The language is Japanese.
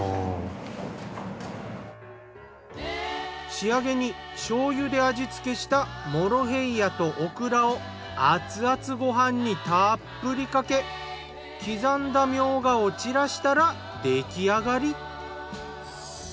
仕上げにしょうゆで味つけしたモロヘイヤとオクラを熱々ご飯にたっぷりかけ刻んだみょうがを散らしたら出来上がり。